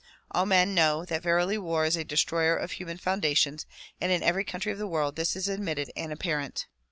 All men know that verily war is a destroyer of human foundations and in every country of the world this is admitted and apparent.